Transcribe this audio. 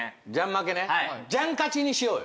ジャン勝ちにしようよ。